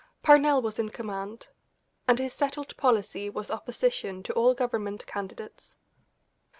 Parnell was in command, and his settled policy was opposition to all Government candidates.